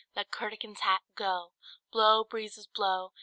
Let Curdken's hat go! Blow, breezes, blow!